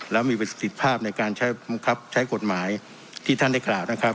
แล้วมีประสิทธิภาพในการใช้บังคับใช้กฎหมายที่ท่านได้กล่าวนะครับ